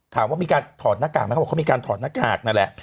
ถามว่ามีการถอดหน้ากากไหมเขาบอกเขามีการถอดหน้ากากนั่นแหละ